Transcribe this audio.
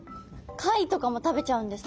貝とかも食べちゃうんですね。